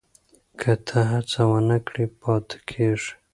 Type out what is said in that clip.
که ته هڅه ونه کړې پاتې کېږې.